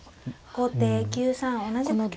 後手９三同じく香車。